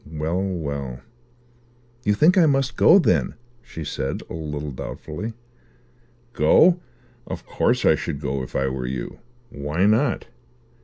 Well, well." "You think I must go, then," she said a little doubtfully. "Go? Of course I should go, if I were you. Why not?"